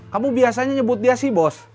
kamu biasanya nyebut dia si bos